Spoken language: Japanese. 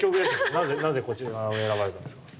なぜこちらを選ばれたんですか？